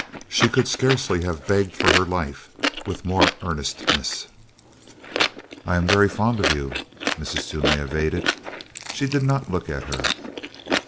She could scarcely have begged for her life with more earnestness. "I am very fond of you," Mrs. Toomey evaded. She did not look at her.